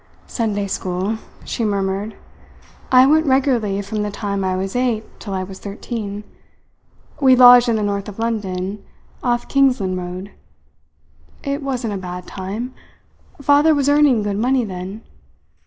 "Sunday school," she murmured. "I went regularly from the time I was eight till I was thirteen. We lodged in the north of London, off Kingsland Road. It wasn't a bad time. Father was earning good money then.